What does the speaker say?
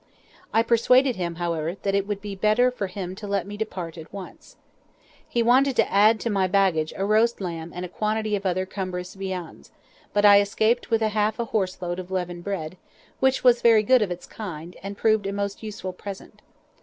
I persuaded him, however, that it would be better for him to let me depart at once. He wanted to add to my baggage a roast lamb and a quantity of other cumbrous viands, but I escaped with half a horse load of leaven bread, which was very good of its kind, and proved a most useful present.